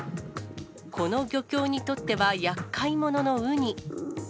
この漁協にとってはやっかい者のウニ。